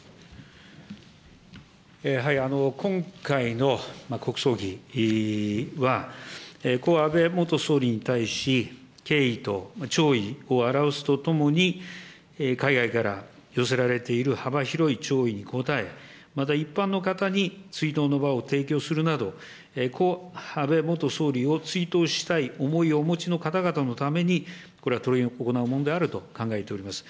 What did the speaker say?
やはり今回の国葬儀は、故・安倍元総理に対し、敬意と弔意を表すとともに、海外から寄せられている幅広い弔意に応え、また一般の方に、追悼の場を提供するなど、故・安倍元総理を追悼したい思いをお持ちの方々のために、これは執り行うものであると考えております。